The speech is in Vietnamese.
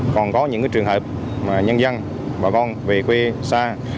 còn có những trường hợp mà nhân dân bà con về quê xa